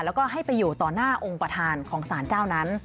แล้วก็ให้ไปอยู่ต่อหน้าองค์ประธานของสารเจ้านั้น